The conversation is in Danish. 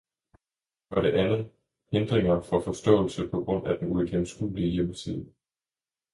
For det andet hindringer for forståelse på grund af den uigennemskuelige hjemmeside.